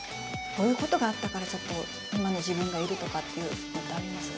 こういうことがあったから、ちょっと、今の自分がいるとかっていうのってあります？